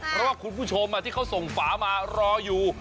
เพราะว่าคุณผู้ชมที่เขาส่งฝามารออยู่